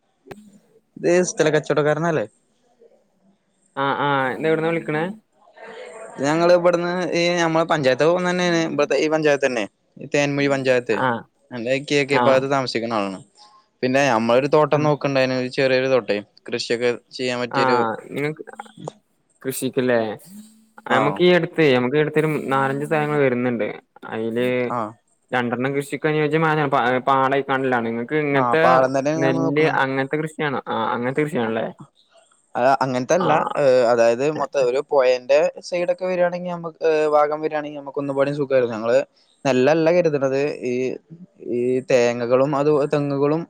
[inaudible] [unintelligible] സ്ഥല കച്ചവടക്കാരനല്ലേ ആഹ് ആഹ് ഇത് എവിടുന്നാ വിളിക്കണേ. ഞങ്ങള് ഇവിടുന്ന് ഈ നമ്മെളെ പഞ്ചായത്ത്. തന്നെ ഈ പഞ്ചായത്ത് തന്നെ ഈ- തേന്മൊഴി പഞ്ചായത്ത്. ആഹ് അല്ലാ കേ. ക്കെ പാ ആഹ് അത് താമസിക്കുന്ന ആളാണ്. പിന്നെ ഞമ്മളൊരു തോട്ടം- ആഹ് നോക്കണ്ടെന് ചെറിയൊരു തോട്ടേ, കൃഷിയൊക്കെ. ചെയ്യാൻ പറ്റിയൊരു ആഹ് നി ങ്ങക്ക്കൃഷിക്കല്ലേ ആഹ് നമ്മുക്ക് ഈ എടുത്ത് നമുക്ക്ടു നാലഞ്ച് തേങ്ങ വരുന്നുണ്ട്, അതില് ആഹ് രണ്ടെണ്ണം കൃഷി. കൃഷി പാടക്കാണ്ടലാണ്, നിങ്ങൾക്ക് ആഹ് ഇങ്ങനത്തെ പാടം തന്നെയാണ് ഞമ്മൾ നെല്ല് നോക്കണ അങ്ങനത്തെ കൃഷിയാണോ. ആഹ് അങ്ങനത്തെ കൃഷിയാണല്ലേ ആ അങ്ങനത്തെയല്ല ആഹ് അതായത് മൊത്തം ഓരോ പൊയ - എന്റെ സൈഡൊക്കെ വരികയാണെങ്കിൽ നമുക്ക് വാഗം വരിവാണെങ്കിൽ നമുക്ക് ഒന്നപാടും സുഖമായിരുന്നു ങ്ങൾ നെല്ല് അല്ല കേറ്റുന്നത് അതേഈ തേങ്ങകളും അതുപോലെ തെങ്ങുകളും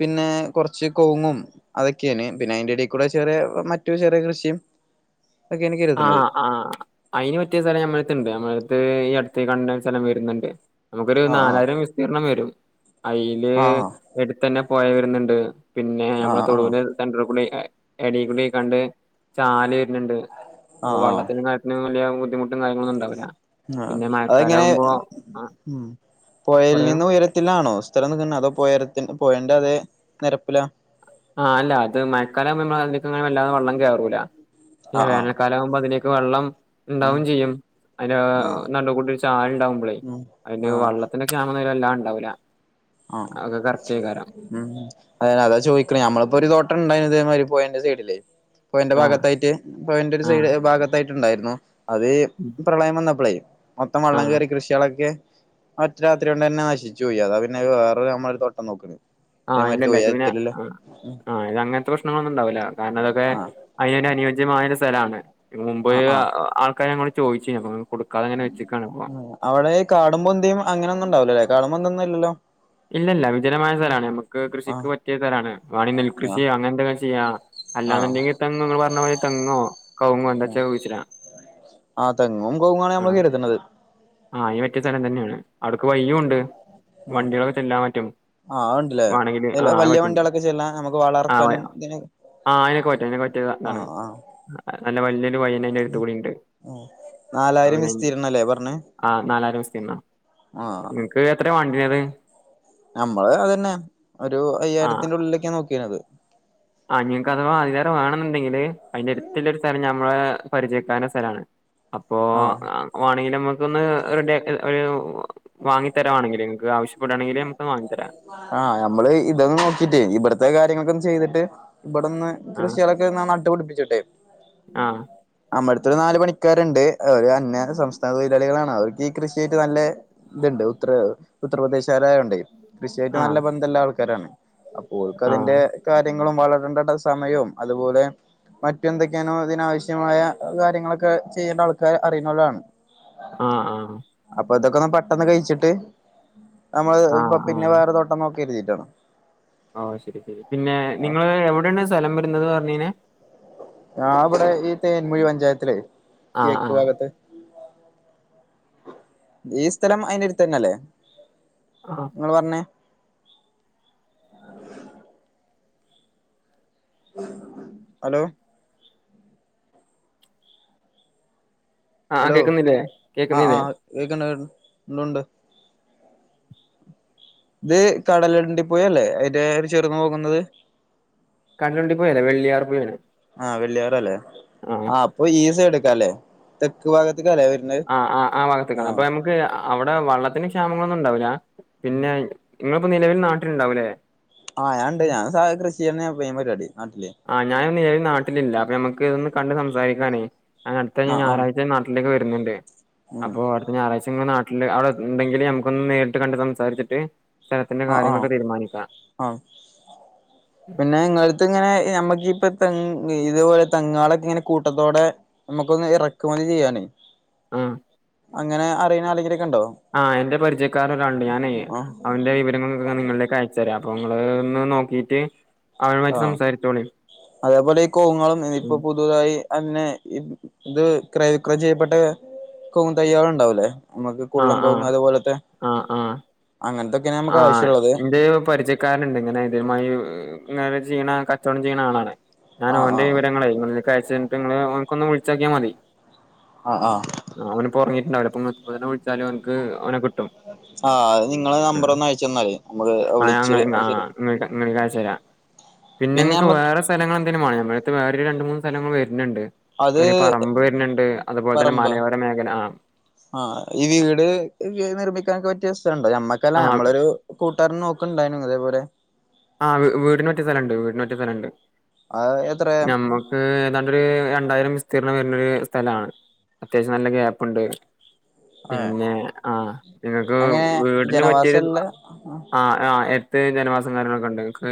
പിന്നെ കൊറച്ച് കൊങ്ങും. അതൊക്കെയാണ് പിന്നെ അതിന്റെ ഇടയിൽ കൂടെ ചെറിയ മറ്റു ചെറിയ കൃഷിയും ഒക്കെയാണ് ആഹ കരുതണത് ആഹ അയിന് പറ്റിയ സ്ഥലം നമ്മടെ അടുത്ത് ഉണ്ട്. ഈ അടുത്ത് കണ്ട സ്ഥലം വരുന്നുണ്ട് നമുക്കൊരു ആഹ് നാലായിരം വിസ്തീർണം വരും അതില് ആഹ് എടുത്തു തന്നെ പുഴ വരുന്നുണ്ട് പിന്നെ നമ്മുടെ ആഹ് ആഹ് തൊടുപുഴെ സെന്ററിൽ കൂടി എടി കൂടി കണ്ട് ചാല് വരുന്നുണ്ട്, അപ്പൊ ആഹ് ആഹ് വള്ളത്തത്തിനു വലിയ. ബുദ്ധിമുട്ടും കാര്യങ്ങളും ഉണ്ടാവൂല. ആ അതെങ്ങനെ ആ ഉം പൊയയിൽ പറയൂ നിന്ന് ഉയരത്തിലാണോ സ്ഥലം നിക്കുന്നെഅതോ ഉയരത്തിനും പുഴെന്റെ അതെ നിരപ്പിലാ. ആഹ് അല്ല അത് മഴക്കാലമാകുമ്പോൾ നമ്മൾ അതിലേക്ക് വല്ലാതെ വെള്ളം കേറൂല പക്ഷെ ആഹ് ആഹ് വേനൽക്കാലമാകുമ്പോൾ അതിലേ [unintelligible] വെള്ളം ഉം ഉണ്ടാവും ചെയ്യും അതിന് ആഹ് നടുവിൽ കൂട്ടി ഒരു ചാൽ ഉണ്ടാവുമ്പോളേ ഉം അതിന്റെ ആഹ് വള്ളത്തിനൊക്കെ ആ എല്ലാം ഉണ്ടാവില്ല ആ ഉമ് അതായത് അതാ ചോദിക്ക നമ്മളിപ്പോ ഒരു തോട്ടം ഉണ്ടയി, ഇതെ മാതിരി പോയെന്റെ സൈഡില്ല്. പുഴെന്റെ ആ ഭാഗത്തായിട്ട്, പുഴെന്റെ ഒരു ആ സൈഡ്- ഭാഗത്തായിട്ടുണ്ടായിരുന്നു. അത് പ്രളയം വന്നപ്പോളേ മൊത്തം ആ വെള്ളം കയറി കൃഷികളൊക്കെ ഒറ്റ രാത്രി കൊണ്ട് തന്നെ നശിച്ചു പോയി, അതാ പിന്നെ വേറെ നമ്മള്- തോട്ടം നോക്കണ്. ആഹ് ഇതേമാതിരി ഇല്ലല്ല ഇതു പിന്നെ തുഴയത്തിലുള്ള ആഹ് ഇത് അങ്ങനത്തെ പ്രശ്നങ്ങളൊന്നും ഉണ്ടാവില്ല കാരണം അതൊക്കെ ആഹ് അതിന് ഒരു അനുയോജ്യമായ ഒരു സ്ഥലാണ് മുമ്പേ ആഹ് ആഹ് ആൾക്കാര് ഞങ്ങളോട് ചോദിച്ചിരുന്നുഞങ്ങ അവിടെ ഈ കാടും പൊന്തിയും അങ്ങനൊന്നും ഉണ്ടാവില്ലല്ലോ കാടും പൊന്തിന്നും ഇല്ലല്ലോ ഇല്ലല്ല വിജനമായ സ്ഥലാണ് നമുക്ക് കൃഷിക്ക് ആഹ് പറ്റിയ സ്ഥലാണ് വാണേ ആഹ് നെൽകൃഷിയോ അങ്ങനെന്തെങ്കിലും ചെയ്യാ അല്ലാന്ന്ണ്ടെങ്ങി ആഹ് തെങ്ങോ ഇങ്ങള് പറഞ്ഞ മാരി തെങ്ങോ കവുങ്ങോ എന്താച്ചാ കുയ്ച്ച്ടാ ആഹ് തെങ്ങും കവുങ്ങാണ് നമ്മള് ആഹ് കരുതണത് ആ അയ്ന് പറ്റിയ സ്ഥലം തന്നേണ്. അവ്ട്ക്ക് വയ്യും ഉണ്ട് ആഹ് വണ്ട്യോള് ആ പറ്റും ആ അതുണ്ടല്ലേ വാണെങ്കിൽ ആ എല്ലാ വലിയ പറ്റും വണ്ടികളൊക്കെ ചെല്ലാൻ നമുക്ക് ആ വളമിറക്കാനും [unintelligible] ഇതിന് ആഹ് അയ്‌നൊക്കെ പറ്റും അയ്നൊകൊ പറ്റ്യെ ആ ഇതാണ്. ആ വൈയ്ന്നെ അയ്ന്റെ ട്ത്ത് ക്കൂടിണ്ട് ആ നാലായിരം [unintelligible] വിസ്തീർണ്ണല്ലേ പറഞ്ഞേ ആഹ് നാലായിരം വിസ്തീർണ്ണം. ആ നിൻക്ക് എത്രേ വാണ്ടിനത് അമ്പള് അതെന്നെ ഒരു ആഹ് അയ്യായിരത്തിൻ്റുള്ളിലൊക്കെ നോക്കീന്യത്. ആ നിങ്ങക്ക് അഥവാ അയ്ലേറെ വേണെന്നുണ്ടെങ്കില് അയ്ന്റെട്ത്ത്ല്ലെ ഒരു സ്ഥലം ഞമ്മളെ പരിചയക്കരനെ സെലാണ്. അപ്പോ ആ ഏഹ് വാണെങ്കിലമ്മക്കൊന്ന് റെഡ്യാക്ക എഹ് വാങ്ങിത്തരാ വാണെങ്കില് ഇങ്ങക്ക് ആവശ്യപ്പെടാണെങ്കില് നമക് വാങ്ങി തരാ. ആഹ് അമ്മള് ഇതൊന്ന് നോക്കിട്ടേ ഇബട്ത്തെ കാര് ര്യങ്ങകൊൻ ചെയ്തിട്ട് ഇബടൊന്ന് ആ കൃഷ്യേളൊക്കൊന്ന് നട്ടുപടിപ്പിച്ചിട്ടെ ആ അമ്മ ത്തൊര് നാല് പണിക്കാര്ണ്ട് അവര് അന്യ [unintelligible] സംസ്ഥാന തൊഴിലാളികളാണ് അവർക്ക് ഈ കൃഷിയായിട്ട് നല്ല ത്ണ്ട് ഉത്തറ് ഉത്തർപ്രദേശാരായോണ്ടെ കൃഷിയായിട്ട് ആ നല്ല ബന്ധല്ലാൾക്കാരാണ്. ആ അപ്പോൽക്കതിന്റെ കാര്യങ്ങളും വളടണ്ടണ്ട സമയും അത്പോലെ മറ്റെന്തൊക്കെയാണോ ഇതിനാവശ്യമായ കാര്യങ്ങളൊക്കെ ചെയ്യേണ്ട ആൾക്കാര് അറിയുന്നോലാണ്. ആഹ് ആഹ് അപ്പൊ ഇതൊക്കൊന്ന് പെട്ടെന്ന് കയ്ച്ചിട്ട് അമ്മള് ആ പ്പൊ പിന്നെ വേറെ തോട്ടം നോക്കി ചെയ്യിട്ടാണ്. ഓഹ് ശെരി ശെരി പിന്നെ നിങ്ങള് എവടെണ് സ്ഥലം വരുന്നത് പർഞ്ഞീന്യേ? ഞാ വടെ ഈ തേൻന്മുഴി പഞ്ചായത്തിലേ ആ ആ കെഴക്ക് ഭാഗത്ത്. ഈ സ്ഥലം അയ്ന്റെട്ത്തന്നല്ലേ? ആ ഇങ്ങള് പർഞ്ഞേ അലോ ആ അലോ കേക്കുന്നില്ലേ ആഹ് കേക്കുന്നില്ലേ ആഹ് കേക്ക്ണ്ട് ഉണ്ടുണ്ട്. ഇത് കടലുണ്ടി പൊയല്ലേ അയ്ന്റെ ഒര് ചെറുന്നൂകുന്നത്. കടലുണ്ടി പൊയല്ലേ വെള്ളിയാർ പൊയേണ്. ആ വെള്ളിയാറല്ലേ ആ അപ്പൊ ഈ സൈഡ്ക്കാല്ലേ തെക്ക് ഭാഗ ആഹ് ആഹ് ആ ഭാഗത്ത്ക്ക് ആണ് അപ്പൊ നമക്ക് അവടെ വള്ളത്തിന് ക്ഷാമങ്ങളൊന്നും ഉണ്ടാവൂല. പിന്നെ ഇങ്ങള്പ്പോ നിലവിൽ നാട്ടിലുണ്ടാവൂലേ? ആഹ് ഞാണ്ട് ഞാൻ സാദാ കൃഷിയെന്നെ മെയ്ൻ പരിവാടി. ആഹ് ഞാന് ന്നേഴും നാട്ടിലില്ല അപ്പൊ നമ്മക്ക് ഒന്ന് കണ്ട് സംസാരിക്കാനേ ഞാന് അടുത്തഞ്ഞ് ആഹ് ആഹ് ഞായറാഴ്ച നാട്ടിലേക്ക് വരുന്ന്ണ്ട് ഉം അപ്പോ അടുത്ത ഞാറാഴ്ച നിങ്ങള് നാട്ടില് അവടെ ഇണ്ടെങ്കില് നമുക്കൊന്ന് നേരിട്ട് കണ്ട് സംസാച്ചിട്ട്. അ ആഹ് ആഹ് പിന്നെ ഇങ്ങളെര്ത്ത് ഇങ്ങനെ ഏ നമ്മക്കിപ്പ തെങ്ങ് ഇതേപോലെ തെങ്ങാളൊക്കെ ഇങ്ങനെ കൂട്ടത്തോടെ നമുക്കൊന്ന് ഇറക്കുമതി ചെയ്യാനേ ആഹ് അങ്ങനെ അറിയ്ണ അല്ലെങ്കിലെ ആഹ് എന്റെ പരിചയക്കാരൻ ഒരാള്ണ്ട് ഞാനെയ് ആഹ് അവന്റെ ഇവ് വിവരങ്ങൾതൊക്കെ ക്കെ നിങ്ങളിലേക്ക് അയച്ചരാ അപ്പൊ ഇങ്ങള് ഒന്ന് നോക്കിട്ട് അവനുമായിട്ട് ആഹ് സംസാരിച്ചോളി അതേപോലെ ഈ കോവ്ങ്ങോളും ഇപ്പൊ ഉം പുതുതായി അന്നെ [unintelligible] ഇത് ക്രയവിക്രയം ചെയ്യപ്പെട്ട കൗങ്ങ്തയ്യാൾ ഇണ്ടാവൂലേ? അമുക്ക് കുള്ളൻ ആഹ് ആഹ് കൗങ്ങ് അതേപോലത്തെ ആഹ് ആഹ് അങ്ങൻത്തെ ആഹ് ഇന്റെ പരിചയക്കാരന്ണ്ട് ഇങ്ങനെ ഇതേമായി ഇങ്ങ നെ ചിയ്യ്ണ കച്ചോടം ചിയ്യ്ണ ആളാണ് ഞാൻ ആഹ് ഓന്റെ ആഹ് വിവരങ്ങളെയ് ഇങ്ങളിലേക്കയച്ച യ്ഞ്ഞ്ട്ട് ഇങ്ങള് ഓന്‌ക്ക് ഒന്ന് വിൾ ച്ചോക്ക്യാമതി ആഹ് ആഹ് ആ അവന്പ്പോ ഒറങ്ങിട്ട്ണ്ടാവൂല ഇപ്പ ഒന്ന് ഇപ്പത്തന്നെ വിളിച്ചാല് ഓന്ക് ഓനെ കി ആഹ് അത് നിങ്ങളെ നമ്പറൊന്ന് അയച്ചന്നാളി നമുക്ക് ആ വിളിച്ച് ഞങ്ങ അത് ശര്യാ പിന്നെങ്ങക്ക് വേറെ സ്ഥലങ്ങളെന്തേലും വാണോ? നമ്മളര്ത്ത് വേറൊരു രണ്ട് മൂന്ന് സ്ഥലങ്ങൾ വര് ന്ണ്ട്. അത് ഒരു പറമ്പ് വര്ന്ണ്ട് അതുപോലെ തന്നെ പറമ്പോ മലയോര മേഖല ആ ആഹ് ഈ വീട് എക്കെ നിർമ്മിക്കാനൊക്കെ പറ്റിയ സ് ഥലണ്ടോ നമ്മക്കല്ല ആ നമ്മളൊരു കൂട്ടുകാരൻ നോക്ക്ണ്ടായ്നു ഇതേപോലെ. ആഹ് വീടിന് പറ്റിയ സെലണ്ട് വീടിന് പറ്റിയ സെലണ്ട് അത് എത്ര ഞമ്മക്ക് ഏതാണ്ട് ക്ക് രണ്ടായിരം വിസ്തീർണം വരുന്നൊരു സ്ഥലാണ്, അത്യാശ്യം നല്ല ഗ്യാപ്പ്ണ്ട് ഏഹ് പിന്നെ ആഹ് നിങ്ങക്ക് എങ്ങനെ വീടിന് പറ്റിയരു ജനവാസള്ള ആഹ് ആഹ് ഏഹ് ത്ത് ജനവാസം കാര്യങ്ങളൊക്ക്ണ്ട് ങ്ങക്ക്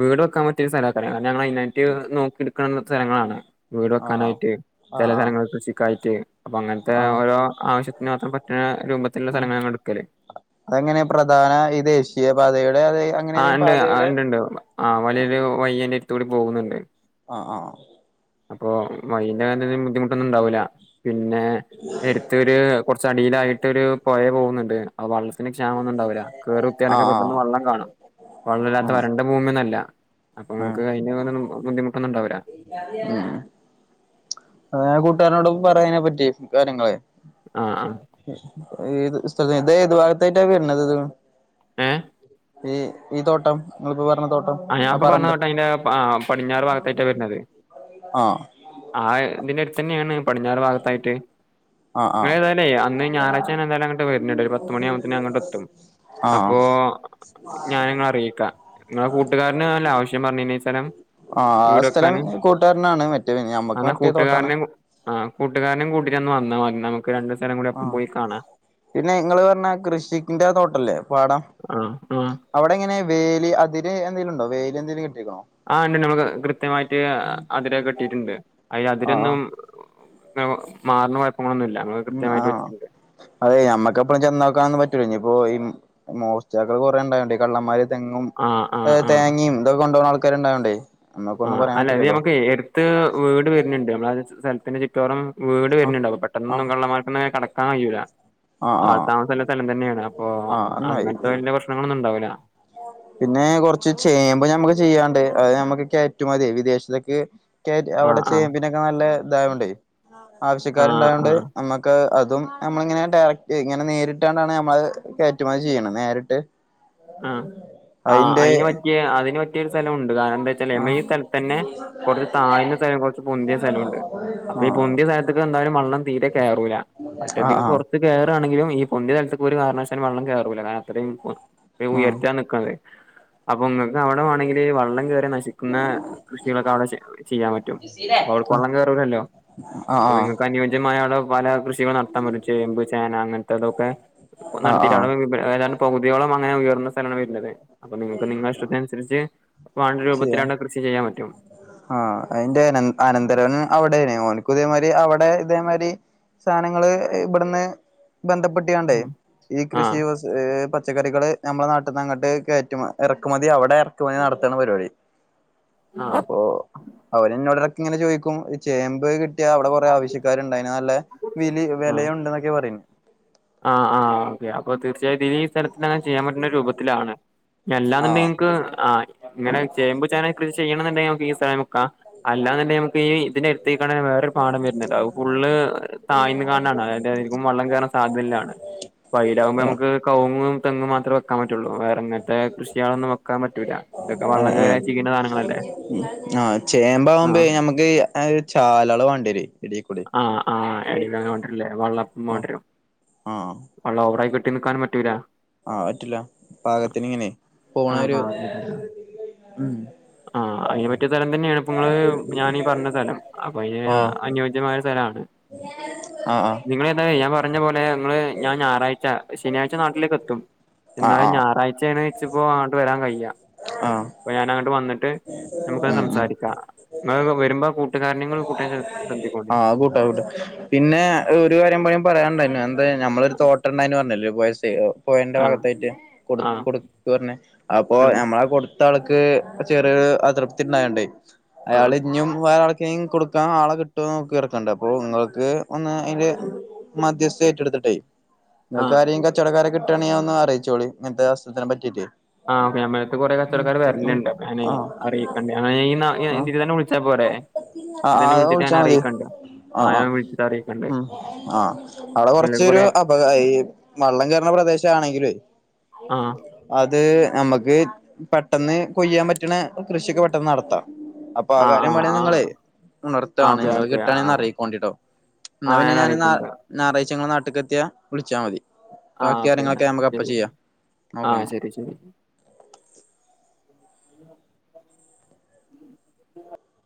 വീട് വെക്കാൻ പറ്റിയ സ്തലക്കാരം കാരണം ഞങ്ങളയിനായിറ്റ് നോക്കിട് ക്ക്ണ സ്ഥലങ്ങളാണ് വീട് ആഹ് വെക്കാനായിട്ട്, ചെല ആഹ് ആഹ് സലങ്ങള് കൃഷിക്കായിട്ട്, അപ്പൊ അങ്ങൻത്തെ ആഹ് ഓരോ ആവശ്യത്തിന് മാത്രം പറ്റ്ണ രൂപത്തിലുള്ള ആഹ് സെലങ്ങളാണ് എട്ക്കല്. അതെങ്ങനെ പ്രധാന ഈ ദേശീയപാതയുടെ അതേ ആഹ് ഇണ്ട് ആഹ് ഇണ്ട്ണ്ട് ആഹ് ഉം വലിയൊരു വയ്യിയയിൻ്റടുത്തൂടി പോകുന്നുണ്ട് ആഹ് ആഹ് അപ്പൊ വൈൻ്റാര്യത്തിൽ ബുദ്ധിമുട്ടൊന്നുംണ്ടാവൂല്ല പിന്നെ എടുത്തൊരു കുറച്ചടിയിലായിട്ടൊരു പൊഴ പോവുന്നുണ്ട് അവ ത്തിന് ക്ഷാമൊന്നുംണ്ടാവൂല്ല കേറുത്തിയാലൊക്കെ ആഹ് ആഹ് പെട്ടെന്ന് വള്ളം കാണും വള്ളല്ലാത്ത ഉം വരണ്ട ഭൂമി ന്നൊല്ല. അപ്പൊ ഉം ഇങ്ങ്ക്ക് അയ്നു വോറെന്ന് ബുദ്ദിമുട്ടൊന്നുണ്ടാവൂല. ഉം ഏഹ് കൂട്ടാരനോടും പറയ്ന പറ്റി കാര്യങ്ങള് ആഹ് ആഹ് ഇത് തി ഇത് ഏത് ഭാഗത്തായിട്ടാണ് വര്ണത് ത് ഏഹ് ഈ തോട്ടം ഇങ്ങൾപ്പോ പറ ആഹ് ഞാൻപ്പൊ പറഞ്ഞത്തോട്ട അയിൻ്റെ ആഹ് പടിഞ്ഞാറ് ഭാഗത്തായിട്ടാ വരുന്നത്. ആഹ് ആഹ് ഇതിന്റെടുത്തെന്നേണ് പടിഞ്ഞാറ് ഭാഗത്തായിട്ട്. ആഹ് ആഹ് ഇങ്ങളേതായാല് അന്ന് ഞാറാഴ്ച ഞനെന്താലുങ്ങട്ട് വര്ന്ണ്ട് ഒരു പത്ത്മണിയാവുമ്പോത്തിനങ്ങട്ട് എത്തും ആഹ് അപ്പോ ഇപ്പോ ആഹ് ഞാനിങ്ങളറിയിക്ക ഇങ്ങളെ കൂട്ടുകാരനാല്ലെ ആവശ്യം പറഞ്ഞീനി സെലം ആ സ്ഥലം വീടൊക്കാന് കൂട്ടുകാരനാണ് മറ്റേ ഞമ്മക്ക് അന്നാ മറ്റേ തോട്ടാണ് കൂട്ടുകാരനേം ആഹ് കൂട്ടുകാരനെം കൂട്ടിട്ടന്ന് വ ന്നാമതി ന്ന ആഹ് പിന്നെ ഇങ്ങള് പറഞ്ഞാ കൃഷിക്ന്റെ തോട്ടല്ലേ പാടം ആഹ് ആഹ് അവിടെ എങ്ങനെ വേലി അതിര് എന്തേലുണ്ടോ വേലി എന്തെലും കെട് ആഹ് ഇണ്ട്ണ്ൾ നമ്മൾ കൃത്യമായിട്ട് അതിരൊക്കെ കെട്ടീട്ടുണ്ട് അയ്ന് ആഹ് അതിരൊന്നും ആഹ് ന്നു മാറ്ണ ഉം ആഹ് അതെ ഞമ്മക്കെപ്പളും ചെന്നോക്കാനൊന്നും പറ്റൂലെ ഞ്ഞി ഇപ്പോ ഈ മോസ്ടാക്കൾ കൊറെ ഉണ്ടായോണ്ട്, ഈ കള്ളന്മാര് തെങ്ങും ആ ആ തേങ്ങിം ഇതൊക്കെ കൊണ്ടോവ്ണ ആൾ ക്കാര്ണ്ടായോണ്ടേ ആഹ് അല്ല അത് നമ്മുക്ക് എടുത്ത് വീട് വരുന്നുണ്ട്, നമ്മള സെല്ത്തിന്റെ ചുറ്റോറം വീട് ആഹ് വരുന്നുണ്ടാവു പെട്ടന്നൊന്നും ആഹ് കള്ളമാർക്കന്നെ കട്ക്കാൻ കഴിയൂല്ല. ആഹ് ആൾ ആഹ് താമസല്ല സെലം തന്നേണ് അപ്പൊ ആഹ് അങ്ങൻത്തെ എന്നായി വല്ല്യ പ്രശ്നങ്ങളൊന്നുമുണ്ടാവൂല. പിന്നെ കുറച്ച് ചേമ്പ് ഞമ്മക്ക് ചെയ്യാണ്ട് അത് ഞമ്മക്ക് കയ്റ്റുമതി വിദേശത്തിലെക്ക് ക്ക് ആ അവിടെ ആ ചേമ്പിന്നൊക്കെ നല്ല ഇതായോണ്ടേ ആ ആ ആവശ്യക്കാരുണ്ടായോണ്ട് നമ്മുക്ക് അതും നമ്മളിങ്ങനെ ഡയറക്റ്റ് ഇങ്ങനെ നേരിട്ടാണ്ടാണ് നമ്മള് കയറ്റുമതി ചെയ്യ്ണ് നേരിട്ട് ആഹ് ആഅ അയിന്റെ അയിന് പറ്റിയ അയിന് പ റ്റിയൊരു സെല ഉണ്ട് കാരണം എന്തെച്ചാല് ആഹ് [unintelligible] തന്നെ കൊറച്ച് താഴ്ന്ന സ്ഥലം കൊറച്ച് പൊന്തിയ സ്ഥലുണ്ട് അപ്പൊ ഈ ആഹ് പൊന്തിയ സ്ഥല്ത്ക്ക് എന്തായാലും വള്ളം തീരെ കേറൂല മറ്റത്ക്ക് ആഹ് കൊറച്ച് കേറാണെങ്കിലും ഇ പൊന്ത്യ സെൽത്ക്ക് ഒരു കാരണവശാലു വള്ളം കേറൂല്ല, കാരണം അത്രേം ഉ ആഹ് ഉയർത്തിയാ നിക്കണത് അപ്പൊങ്ങക്ക് അവ്ടെ വാണെങ്കില് വള്ളം കേറിയ നശിക്കുന്ന കൃഷികളൊക്കെ അവിടെ ചെയ്യാൻ പറ്റും. ആഹ് ഔട്ക്ക് വള്ളം കേറൂലല്ലോ. ആഹ് അപ്പൊ ആഹ് ആഹ് നിങ്ങക്ക് അനുയോജ്യമായവ്ടെ പല കൃഷികൾ നടത്താപറ്റും. ചേമ്പ്, ചേന അങ്ങന് തോക്കെ ആഹ് നടത്തിയിട്ടവ്ടെ ആഹ് വി വ്‌പ് ഏതാണ്ട് പകുതിയോളം അങ്ങനെ ഉയർന്ന സ്ഥലാണ് വര്ണത്. അപ്പൊ നിങ്ങൾക്ക് നിങ്ങളിഷ്ടത്തി നനുസരിച്ച് വാണ്ട രൂപത്തിലാടെ കൃഷി ചെയ്യാൻ പറ്റും. ആ അതിന്റെ അന അനന്തരവൻ അവിടെ ഓൽക്കും ഇതേമാരി അവിടെ ഇതേമാരി സാധനങ്ങള് ഇവിടുന്ന് ബന്ധപ്പെട്ടികാണ്ട് ഈ കൃഷി ആഹ് പച്ചക്കറികള് നമ്മളെ നാട്ടിൽ നിന്ന് അങ്ങോട്ട് കയറ്റ ഇറക്കുമതി അവിടെ ഇറക്കുമതി നടത്താണ് പരിപാടി ആഹ് അപ്പൊ അവരെന്നോടെടക്ക് ഇങ്ങനെ ചോദിക്കും ഈ ചേമ്പ് കി- കിട്ട്യാ അവിടെ കൊറേ ആവശ്യക്കാരുണ്ടായിന് അയ്ന് നല്ല വിലി വിലയുണ്ടെന്നൊക്കേണ് പറയണ ആ ആ ഓക്കെ അപ്പൊ തീർച്ചയായട്ടും ഇത് ഈ സ്ഥലത്ത് അങ്ങനെ ചെയ്യാൻ പറ്റുന്ന രൂപത്തിലാണ് എല്ലാന്നുണ്ടെ ആഹ് ങ്ങക്ക് ആ ഇങ്ങനെ ചേമ്പ് ചേന കൃഷി ചെയ്യണം ന്ന്ണ്ടെിൽ നമ്മക്ക് ഈ സ്ഥലം വിക്കാ. അല്ലാന്നുണ്ടെങ്കിൽ ഈ ഇതിന്റെട്ത്ത് ത്തേക്കാണേൽ വേറൊരു പാടം വരണ് ണ്ട്. അത് ഫുള്ള് താഴ്ന്ന്കാണ്ടാണ്. അതീക്കും വെള്ളം കേറാ- സാധ്യള്ളാണ് പൈലാകുമ്പോ ഏഹ് നമ്മക്ക് കവുങ്ങും തെങ്ങും മാത്രേ വെക്കാൻ പറ്റയുള്ളൂ വേറെ ങ്ങൻത്തെ കൃഷികാളൊന്നും വെക്കാൻ പറ്റൂല ഇതൊക്കെ വള്ളം കേറ്യാ ചീയ്ണ സാധനങ്ങളല്ലേ ആ ചേമ്പ ആകുമ്പോ ആഹ് ഞമ്മക്ക് ചാലാള് വേണ്ടി വരു ആ ആ് എടേൽ വാണ്ട്യർല്ലേ വെള്ളം ആഹ് വാണ്ട്യരും വള്ളം ഓവറായി കിട്ടി നിൽക്കാനും പറ്റൂല ആ പറ്റില്ല പാകത്തിന് ഇങ്ങനെ പോണ ആഹ് ഒരു ഉം ആ അതിന് പറ്റിയ സ്ഥലം തന്നെയാണ് ഇപ്പങ്ങള് ഞാനീ പറഞ്ഞ സ്ഥലം അപ്പൊ അയ്ന് ആഹ് അനുയോജ്യമായ അ ആഹ് നിങ്ങളേതാലു ഞാൻ പറഞ്ഞ പോലെ നിങ്ങള് ഞാൻ ഞായറാഴ്ച ശനിയാഴ്ച നാട്ടിലേക്ക് എത്തും ആഹ് എന്നാലും ആഹ് ആഹ് ഞായറാഴ്ചാണ് ഇച്ചിപ്പോ അങ്ങണ്ട് വരാൻ കയ്യാ. ആഹ് അപ്പ ഞാനങ്ങട്ട് വന്നിട്ട് നമുക്കത് ഉം ഉം സംസാരിക്കാം. ങ്ങള് വരുമ്പോ കൂട്ടുകാരനിം കൂടെ കൂട്ടാ ശ്രദ്ധിക്ക ആ കൂട്ട കൂട്ട പിന്നെ ഒരു കാര്യം പാടി പറയാനണ്ടായിനി അ നമ്മളൊ ഒരു തോട്ടം ഉണ്ടായന്ന് പറഞ്ഞില്ലേ പൊഴ സൈ പോയന്റെ ആഹ് ഭാഗത്തായിട്ട് കൊടു ആഹ് കൊടുത്തുന്ന പറഞ്ഞെ അപ്പൊ ആഹ് നമ്മളാ കൊടുത്ത ആൾക്ക് ചെറിയൊരു അതൃപ്തി ഉണ്ടായണ്ട് അയാൾ ആഹ് ഇഞ്ഞും വ കെയി കൊടുക്കാൻ ആളെ കിട്ടോ -ക്കി നടക്ക്ണ്ട്. അപ്പൊ ഇങ്ങൾക്ക് ഒന്ന് അയ്ന്റെ മധ്യസ്ഥ ഏറ്റെടുത്തിട്ടെ ആഹ് നിങ്ങൾക്കാരേം കച്ചവടക്കാരെ കിട്ടാണ്യേ അതൊന്ന് അറിച്ചോളി. ഇങ്ങത്തെ വാസത്ത്യനെ പറ്റീട്ട് ആ അപ്പ ഞമ്മളെട്ത്ത് കുറെ കച്ചവടക്കാര് വരലുണ്ട്. അപ്പൊ ഞാനേ അറിയിക്കണ്ട്. ആഹ് ഇത് തന്നെ വിളിച്ചാൽ പോരെ ആഹ് ഇതിതന്നെ ആഹ് അത് വിളിച്ചിട്ട് വിളിച്ചാ മതി ഞാനറിയിക്കണ്ടണ്ട് ആഹ് ആ ആഹ് ഞാൻ വിളിച്ചിട്ട് അറിയി ഉം ആ അവിടെ കൊറച്ചരു കൊറേ അപക ഈ വള്ളം കയറണ പ്രദേശ ആണെങ്കിലും ആഹ് അത് നമുക്ക് പെട്ടെന്ന് കൊയ്യാൻ പറ്റണ കൃഷിയൊക്കെ പെട്ടെന്ന് നടത്താം അപ്പൊ ആ ആഹ് കാര്യം ആഹ് പാടി ആഹ് നിങ്ങള് ആഹ് ഉണർത്താണ് ഓക്കെ നിങ്ങൾ ഓക്കെ കിട്ടാണേ ആഹ് അറിയിക്കണ്ടിട്ടോ. എന്നാ ആഹ് പിന്നെ ഞാൻ അറിയിക്കണ്ട് ഞായറാഴ്ച ഇങ്ങയ് നാ ട്ട് ക്കെത്തിയ വിളിച്ചാൽ മതി ആഹ് ബാക്കി ഓക്കെ എന്നാ കാര്യങ്ങളൊക്കെ ഞമ്മക്ക് അപ്പ ശരി ചെയ്യാം നോക്ക ആഹ് ന്നാ ശരി ശരി ഉം